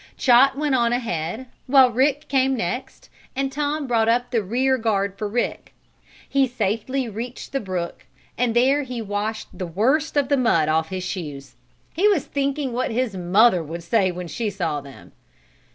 Chot went on ahead, while Rick came next, and Tom brought up the rear guard for Rick. He safely reached the brook, and there he washed the worst of the mud off his shoes. He was thinking what his mother would say when she saw them.